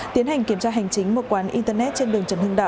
tiến hành kiểm tra hành chính một quán internet trên đường trần hưng đạo